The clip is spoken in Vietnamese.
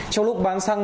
trong lúc bán xăng